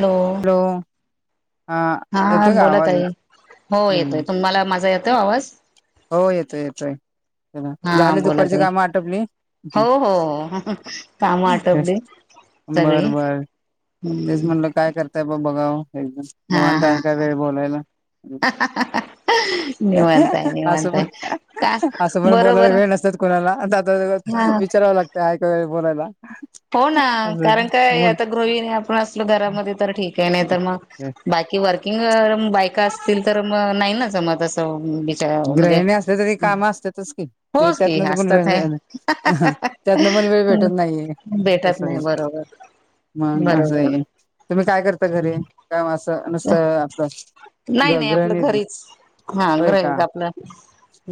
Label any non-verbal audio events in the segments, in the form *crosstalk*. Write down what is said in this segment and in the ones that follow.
Hello. Hello. हा हा येतोय का बोला आवाज ताई येत हो येतोय हम्म तुम्हाला माझा येतोय आवाज? हो येतोय येतोय. चला हा झाले बोला दुपारची ताई कामं आटपली? हो हो हो कामं आटपली सगळी बरं बंर. हम्म. तेच म्हणलं. काय करताय ब बघाव. एकदस. हा निवांत हा आहे का वेळ बोलायला? निवांत आहे *unintelligible* आसं निवांत पण, आहे का *unintelligible* आसं पण बोलायला बरोबर वेळ नसतात कुणाला. अ त्यातली त्यात हा आता विचारावं लागतं. ते आहे का वेळ बोलायला? हो, ना. अजून कारण काय मग आता गृहीनी आपण असलो, घरामध्ये तर ठीकय. नाही तर मग बाकी वर्किंग बायका असतील तर, म नाही ना जमत असं बी ग्रहिणी असल्या तरी, काम असतातच की? ते होच की त्यातनच, असतात हे *unintelligible* त्यातनं पण वेळ भेटत नाहीये. ठीकय. भेटत कसय, नाही बरोबर मग असंय. बरोबर तुम्ही काय करता घरी? का म असं, नुसतं आपलं नाही, ग नाही आपलं गृहिणीच आहे. घरीच. हा होय गृही का? आपलं.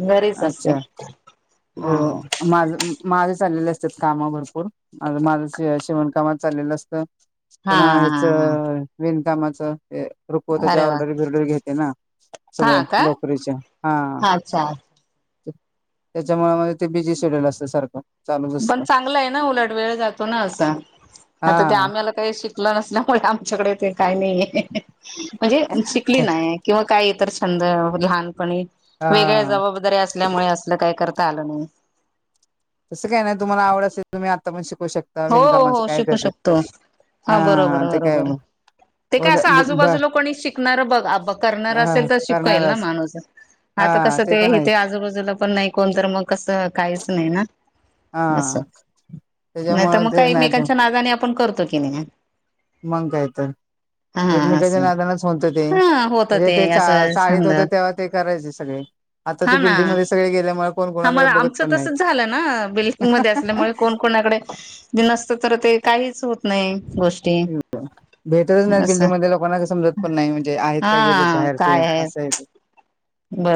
घरीच असते. अच्छा हा हो माझं- माझ चाललेले असतात काम भरपूर. मा माझं शे शिवणकामात चाललेलं असतं. हा हा पुन्हा हा ह्याचं विणकामाचं. हे अरे रुकवताच्या वा ऑर्डरी-बिर्डरी घेते ना. सगळे हा का! लोकरीच्या हा अच्छा. त्याच्यामुळे माझ ते बिझी शेड्यूल असतं सारखं. चालूच पण असतं चांगलं आहे ना उलट वेळ जातो ना, असं. आता ते हा. आम्हाला काही शिकलं नसल्यामुळे आमच्याकडे ते काही नाहीये. म्हणजे शिकली नाय किंवा काही इतर छंद. लहानपणी, वेगळ्या हा जबाबदाऱ्या अस ल्यामुळे असलं काय करता आलं नाही. तस काही नाही. तुम्हाला आवड असेल तुम्ही आता पण शिकू शक हो, हो, हो. शिकू शकतो. हा, बरोबर, ते काय बरोबर. ते काय असं बर आजूबाजूला कोणी शिकणारं बघ आ बघ करणारं हा असेल तर शिकेल ना करणारच माणूस. हा आता कसं ते पण आहे हिते आजूबाजूला पण नाही कोण तर मग कसं, काहीच नाही ना. असं हां. नाही तर मग काय, एकमेकांच्या नादाने आपण करतो की नाही? मंग काय तर! हा एकमेकांच्या असं नादानच होतं ते. हा होत म्हणजे ते चा असं चाळीत छंद होते तेव्हा, ते करायचे सगळे. आता हा ते ना बिल्डींगमध्ये सगळे गेल्यामुळे कोण हा मग, कोणाकडे बघत आमचं पण नाही तसंच झालं ना. बिल्डिंगमध्ये असल्यामुळे, कोण, कोणाकडे बिनसत तर ते, काहीच होत नाही गोष्ट. येऊ का? भेटतच नाहीत. बिल्डिंगमधल्या लोकांना कस समजत पण नाही. म्हणजे आहेत का, गेलेत हा बाहेर ते. काय आहे असंय ते.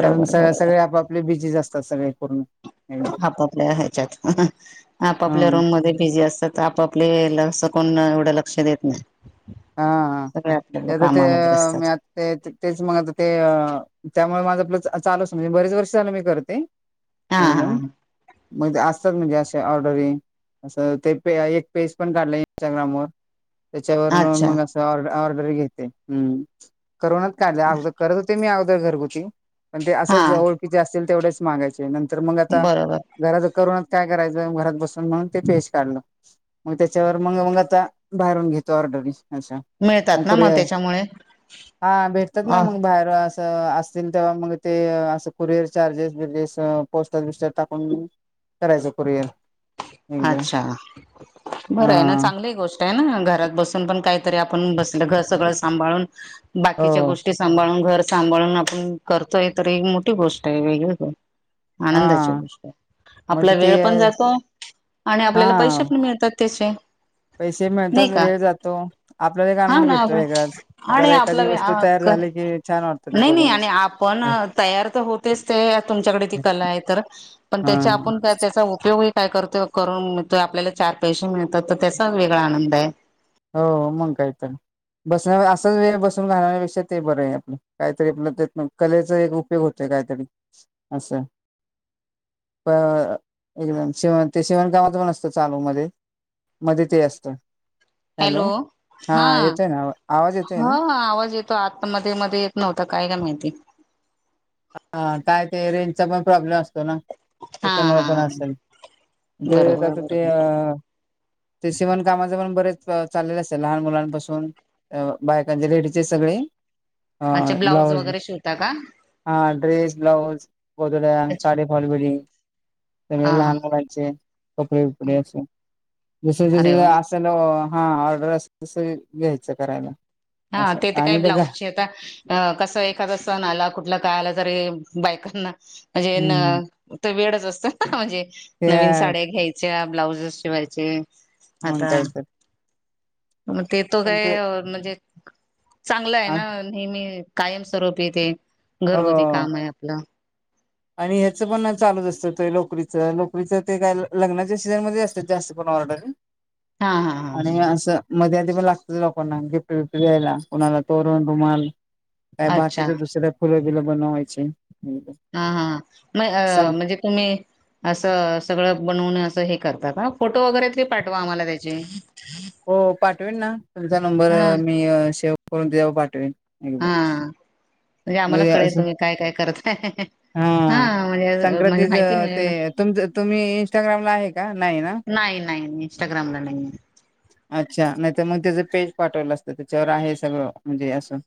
कारण स बरोबर सगळे, आपापले बिझीच असतात. सगळे पूर्ण. आपापल्या ह्याच्यात. *unintelligible* हा आपापल्या रूम मध्ये बिझी असतात. त आपापले ल स असं कोण, एवढं लक्ष देत नाही. हा. सगळे आपल्या तर ते कामामध्ये मी असतात आत ते ते तेच मग आता ते, त्यामूळं माझं आपलं चा चालूच. म्हणजे, बरीच वर्ष झालं मी करते. हा *unintelligible* हा मग ते असतात. म्हणजे अशा ऑर्डरी. असं ते पे एक पेज पण काढलं इंस्टाग्रामवर. त्याच्यावर *unintelligible* अच्छा मग असं ऑर्ड- ऑर्डरी घेते. हम्म. करोनात काढले. अगोदर करत होते, मी अगोदर घरगुती. पण ते हा असंच ओळखीचे असतील तेवढेच मागायचे. ते नंतर मग आता. बरोबर घराच करोनात काय करायचं, घरात बसून. म्हणून ते पेज काढलं. मग त्याच्यावर मंग - मंग आता, बाहेरून घेतो ऑर्डरी, अशा. मग मिळतात ना कुरिअर. त्याच्यामुळे हा, भेटतात ना अ मग बाहेर अस असतील तेव्हा मग ते, असं कुरिअर चार्जेस - बिर्जेस पोस्टात - बिष्टात टाकून. करायचं कुरिअर एकदम अच्छा, बरं आहे ना, हा चांगली गोष्ट घरात बसून पण, काहीतरी आपण बसलं, सगळं सांभाळून हो बाकीच्या गोष्टी, सांभाळून, घर सांभाळून आपण करतोय, तर एक मोठी गोष्ट आहे वेगळी ग, आनंदाची हा गोष्ट आहे, आपला म्हणजे ते वेळ पण जातो. आणि, आपल्याला पैसे हा पण, मिळतात त्याचे, पैसे नाही मिळतात, का वेळ जातो, आपल्याला एक हा आनंद ना भेटतो आप वेगळाच, आणि जरा आपला एखादी वस्तू तयार झाली की छान वाटतं ते नाही -नाही आणि बघूनच आपण तयार तर होतेच ते, तुमच्याकडे ती कला आहे तर, पण हा त्याच्या, आपण काय त्याचा उपयोग काय करतो, करून मिळतोय आपल्याला, चार पैसे मिळतात, तर त्याचा वेगळा आनंद आहे. हो, मंग काय तर, बसण्या असाच वेळ बसून, घालण्यापेक्षा ते बरं आहे. आपलं काहीतरी, आपलं त्यात कलेचा एक उपयोग होत. ते, काहीतरी असं, प, एकदम शेवण ते, शेवणकामात पण असतं, चालू मध्ये. मध्ये ते असतं. हॅलो! हा येतोय ना आवा- आवाज येतोय ना -हा आवाज येत तो, आतमध्ये, मध्ये येत, नव्हता काय का माहिती, हा, काय ते रेंजचा पण, प्रॉब्लेम असतो ना. हा त्याच्यामुळे पण हा असेल, बरोबर तेआता -ते अ बरोबर ते, शिवण कामाचे पण, बरेच चाललेल असेत लहान मुलांपासून अ- बायकांचे लेडीचे सगळे, अ- ब्लाऊज, त, का हा, ड्रेस ब्लाऊज, गोदाड्या, अच्छा साडी फॉल फिटींग, त्या, हा हा लहान मुलांचे कपडे बिपडे, असे जस- अरे वा जस हॅलो! हा ऑर्डर असल तस, घ्यायचं करायला. हा, असं ते तर काय, आणि ब्लाऊजचे आता अ, कसं एखादा सण आला, कुठला काय आला तरी, बायकांना हम्म, ना, तर, वेडच असतात ना, म्हणजे ते नवीन आहे साड्या, घ्यायच्या ब्लाउजस शिवायचे, मग, आता काय तर प- मग, ते तो पण ते काय, म्हणजे चांगलं आहे आ ना, नेहमी, कायम स्वरूप येते, घरगुती हो. काम आहे आपलं, आणि ह्याचं पण चालच असतं, लोकरीचं- लोकरीचं ते काय लग्नाच्या सीझनमध्येध्ये असतात, जास्त करून ऑर्डरी, हां, हां, आणि म हां. असं, मध्ये, आधी पण लागत, लोकांना गिफ्ट, बीफ्ट द्यायला कुणाला तोरण रुमाल, अ, अच्छा. बाकीच दुसर फुल, बिल बनवायचे, हा, हा म अ म्हणजे तुम्ही, असं सगळं बनवून असं हे करताका, फोटो वगैरेतरी पाठवा, आम्हाला त्याचे, हो, पाठवेन ना, तुमचा नंबर हां, मी सेव्ह करून त्यावर, पाठवेन एकदम, हां. म्हणजे आम्हाला कळेल, तुम्ही काय -काय करताय, हा, म्हणजे म्हणजे संक्रांतीच माहिती मिळेल ते ना. तुमच, तुम्ही इंस्टाग्रामला आहे का? नाही ना, नाही- नाही इनस्टाग्रम ला नाही, अच्छा नाही तर, मग त्याचं पेज पाठवलं असतं, त्याच्यावर आहे सगळं म्हणजे असं,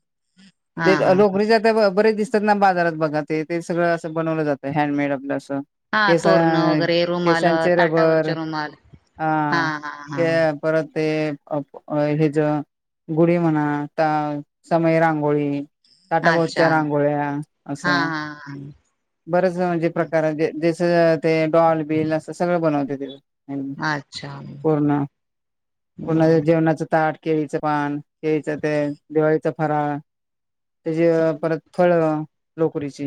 हा ते, हा हा. लोकरीच, बरे, दिसतात ना, बाजारात बघा ते सगळं असं, बनवलं जातं हँडमेड आपलं असं, हा केस, तोरणं वगैरे रुमाल अ, केसांचे रबर ताटावरचे रुमाल. हा हा अते, परत ते अप हे ज गुळी म्हणा, ता समय रांगोळी. हा अच्छा ताटाभोवच्या रांगोळ्या असं हा हा, बरच म्हणजे प्रकार आहे. जे जेसं ते डॉल बिल असं सगळं बनवते तिथ. *unintelligible* हा अच्छा. पूर्ण पून्हा जे जेवणाच ताट केळीचं पान, केळीचं तेंन, दिवाळीचा फराळ त्याची परत फळ लोकरीची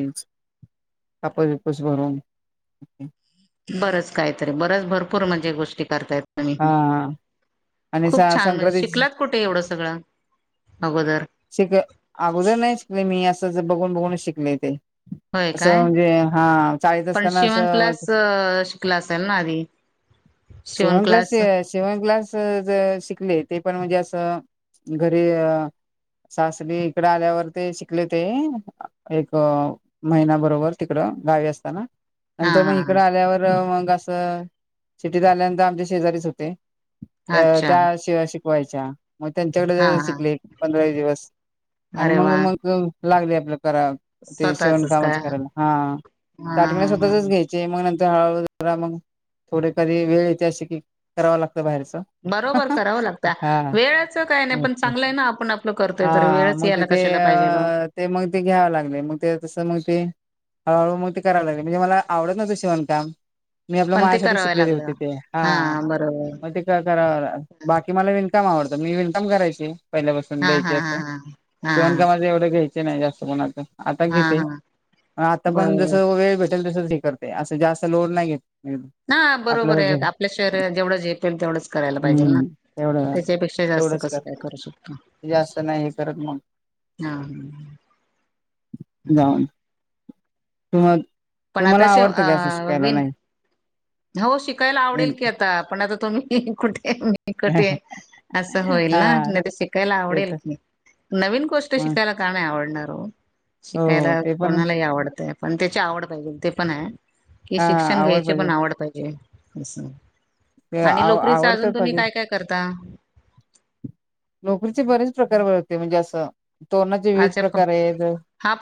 कापूस विपूस भरून. बरंच काहीतरी बरच भरपूर म्हणजे गोष्टी करतायेत. आणि हा आणि खूप छान म्हणजे संक्रांतीची शिकलात कुठे एवढं सगळं, अगोदर शिक, अगोदर नाही शिकले मी. असंच बघून बघून शिकले ते‌. होय काय, पण असताना शिवन क्लास असं शिकला असाल ना, आधी? शिवण क्लास शि शिवण क्लास ज शिकले ते पण म्हणजे असं घरी सासरी इकडं आल्यावर ते शिकली ते एक महिना बरोबर तिकडं गावी असताना. हा नंतर मग हा इकड आल्यावर मग असं सिटीत आल्यानंतर आमच्या शेजारीच होते. हा त्या अच्छा त्या शिवा शिकवायच्या. मग हा त्यांच्याकडं हा शिकली. पंधरा वीस दिवस आणि अरे मग वा मग लागली आपल्या करा ते शिवण स्वतःचच काय कामाच‌ हा करायला. हा स्टार्टिंग ला हा हा स्वतःचच घ्याय चे मग नंतर हळूहळू जरा मग थोडे कधी वेळ येते असे की, करावा लागतं बाहेरच. बरोबर करावं हा लागतंवेळाचं काय नाही पण ओके चांगलंय ना आपण ल करतेय तर, हा वेळच मग ते यायला ते कशाला पाहिजेलो. अ ते मग ते घ्यावं लागले. मग ते तसं मग ते हळूहळू मग ते करायला लागले. म्हणजे मला आवडत नव्हतं शिवणकाम मी आपल्या पण ते माझ्यासाठी करावं शिकलेली होते लागलं ते. हा मग ते कर करा बाकी मला विणकाम आवडतं. मी विणकाम करायची पहिल्यापासून. पण हा द्यायची हा हा असं, हा शिवण हा कामाच एवढं घ्यायची. ते नाही जास्त कोणाच आता हा घेते. हा आता पण जस बरोबर वेळ भेट टेल तसच हे करते. असं जास्त लोड नाही घेत. मी. ना बरोबर आपल्याला जे आहे. आपल्या शरीराला जेवढं झेपेल तेवढंच करायला पाहिजे ना, हम्म तेवढं त्याच्यापेक्षा जास्त तेवढंच कसं काय करते करू शक जास्त नाही हे करत मग, हा जाऊन तुम पण आता तुम्हाला शेव आवडतं का असं अ शिकायला विन नाही हो शिकायला आवडेल विण की आता. पण आता तुम्ही कुठे मी कुठे असं होईल ना, हा नाही त शिकायला ते आवडेल. तर की, नवीन गोष्ट मग शिकायला का नाही आवडणार ओ? हो शिकायला ते पण कोणालाही आवडतंय. पण त्याची आवड पाहिजेल ते पण आहे. की हा शिक्षण घ्यायचे पण पाहिजे आवड पाहिजे असं. ते आणि आव लोकरीचा आवड तर अजून तुम्ही पाहिजे काय काय करता? लोकरीचे बरेच प्रकार वळते म्हणजे असं तोरणाचे विविध अच्छा प प्रकार आहेत.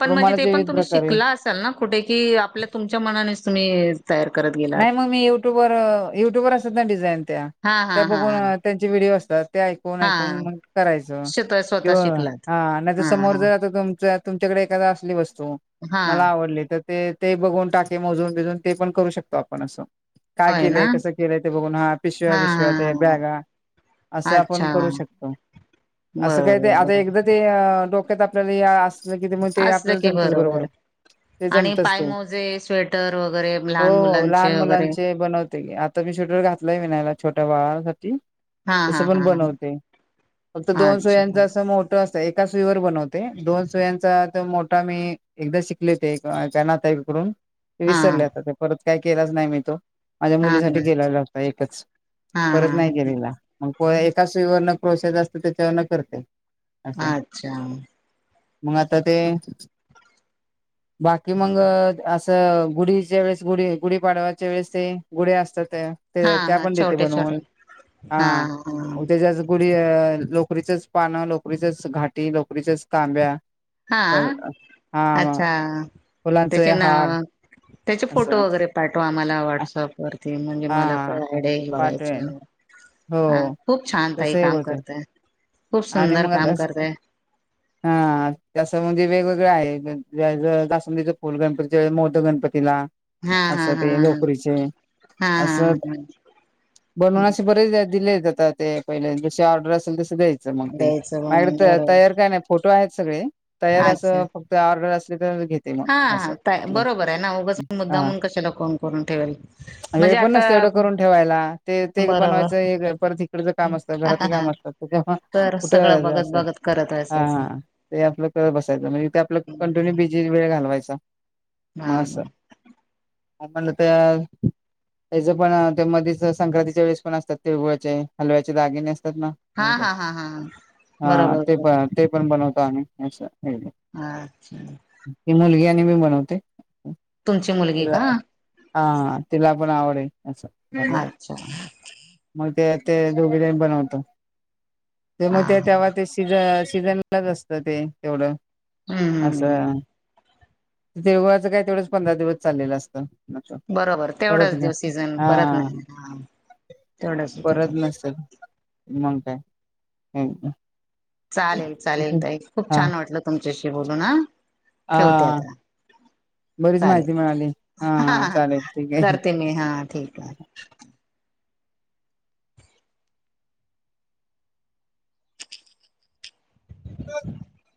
रुमालाचे विविध प्रकार आहेत. त्यांना कुठे कि, आपल्या तुमच्या मनानेच तुम्ही तयार करत गे नाही मग मी युट्युब वर युट्युब वर असतात ना डिझाईन त्या, हां त्या हां हां बघून हां. त्यांचे व्हिडिओ असतात. ते ऐकून ऐकून हां. मग करायचं स्वतः स्वतः किंवा शिकलात. हा नाही तर हां समोर हां. जर आता तुमचा तुमच्याकडे एखादा असली वस्तू मला हां. आवडली तर ते ते बघून टाके मोजून बिजून ते पण करू शकतो आपण असं. काय होय ना. केलंय कसं केलंय, ते बघून हा पिशव्या हा बिशव्या ते हा. बॅगा. असं आपण अच्छा करू शकतो, असं काय ते बरोबर आता बरोबर एकदा ते डोक्यात आपल्याला हे असल कि मग ते असलं आपल्याला की जमतच बरोबर. ते आणि जमतच ते पायमोजे स्वेटर वगैरे हो लहान हो मुलां लहान मुलांचे बनवते की आता बी स्वेटर घातलय विनायला छोट्या बाळासाठी- हा तस हा पण हा बनवते, फक्त हा दोन अच्छा सुयांच असं मो- ठ असतय एका सुईवर बनवते दोन सुयांचा तो मोठा मी एकदा शिकले होते एका त्या नाते कडून हा विसरले आता ते परत काय केलाच नाही मी तो माझ्या हा मुलीसाठी हा केलेला होता एकच हा हा परत नाही हा. केलेला मग एका सुईवरन प्रोसेस असते, त्याच्यावरन करते. असं अच्छा. मग आता ते बाकी मग असं गुढीच्या वेळेस गुढी- गुढी पाडवायच्या वेळेस ते गुड्या असता त्या. हा ते त्या हा पण देते छोटे छोटे बनवून हा होते तेच गुडी लोकरीचच पानं, लोकरीचच घाटी लोकरीचच तांब्या. हा हा अच्छा फुलांचे त्याचे न हार त्याचे फोटो असं वगैरे पाठवा आम्हाला हा व्हॉट्सअप वरती म्हणजे मला हा काही आयडिया येईल हे बघायचे पाठवेल म्हणून. हो हा खूप छान ताई तसही काम होते करताय. खूप आणि सुंदर मग आता काम करताय हा तसं म्हणजे वेगवेगळं आहे जास्वंदाच फुल गणपतीच्या वेळी मोदक गणपतीला. हा अस हा हा ते हा. लोकरीचे हा अस- हा बनवून असे बरेच दिले आता ते पहिले जशी ऑर्डर असेल तशे द्याय च मग ते द्यायचं म्हणून मायाकडे बरोबर तयार का नाही. फोटो आहेत सगळे तयार अच्छा असं फक्त ऑर्डर असले तर घेत हा हा ताई बरोबर आहे ना उगच हा मुद्दाऊन कशाला कोन करून ठेवेल. वेळ म्हणजे पण आता नसत एवढं करून ठेवायला ते ते बरोबर बनवायचं हे परत इकडच काम असतं, घरातली हा काम असतात कुठे मंग तर कुठे सगळं करायचं बघत अस ये बघत करत असायचं हा ते आपलं करत बसायचं म्हणजे ते आपलं कंटिन्यू बिजी वेळ घालवायचा हा मग अस आपण आता- त्याच पण तेमध्येच संक्रांतीच्या वेळेस पण असतात तीळगुळाचे हलव्याचे दागिने असतात ना. हा हा हा हा हा हा ते पण ते पण बनवतो आम्ही असं *unintelligible* हा अच्छा ते मुलगी आणि मी बनवते तुमची मुलगी तिला- का हा तिला पण आवड आहे अस असं- अच्छा मग ते ते दोघीजणी बनवतो. ते हा मग ते तेव्हा ते सिझ सीझनलाज असतं ते तेवढं- हम्म असं, ते तिळगुळाच काय तेवढंच पंधरा दिवस चाललेलं असतं. बरोबर परत तेवढाच दिवस सीझन हा परत नाही. हा तेवढाच *unintelligible* मंग काय? हम्म हम. चालेल चालेल ताई, खूप हा छान वाटलं तुमच्याशी बोलून हा. ठेवते हा आता. बरीच माहिती चालेल मिळाली हा चालेल ठीक आहे. करते मी हा ठीक आहे. *inaudible*